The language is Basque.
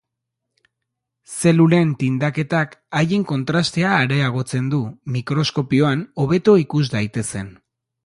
Zelulen tindaketak haien kontrastea areagotzen du, mikroskopioan hobeto ikus daitezen.